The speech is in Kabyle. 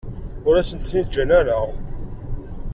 Ur asent-ten-id-ǧǧan ara.